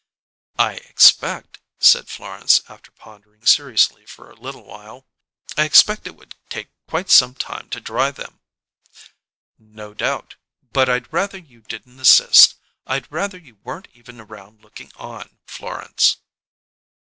"I expect," said Florence, after pondering seriously for a little while "I expect it would take quite some time to dry them." "No doubt. But I'd rather you didn't assist. I'd rather you weren't even around looking on, Florence."